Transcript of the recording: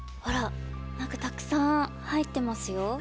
ほら何かたくさん入ってますよ。